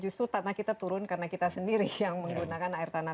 justru tanah kita turun karena kita sendiri yang menggunakan air tanah